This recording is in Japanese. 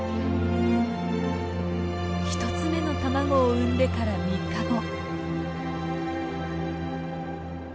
１つ目の卵を産んでから３日後。